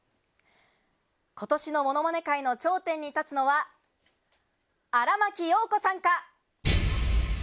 ことしのものまね界の頂点に立つのは、荒牧陽子さんか。